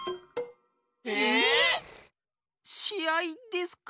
しあいですか？